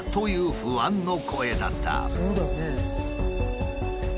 そうだよね。